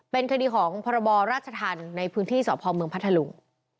เป็นคดีของพรบราชธรรมในพื้นที่สพเมืองพัทธลุง